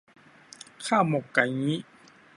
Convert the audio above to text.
ข้าวหมกไก่งี้